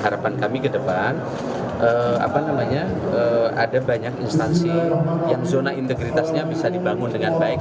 harapan kami ke depan ada banyak instansi yang zona integritasnya bisa dibangun dengan baik